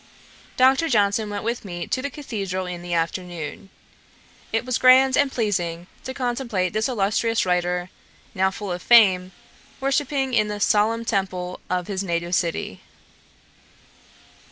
Dr. Johnson went with me to the cathedral in the afternoon. It was grand and pleasing to contemplate this illustrious writer, now full of fame, worshipping in the 'solemn temple' of his native city.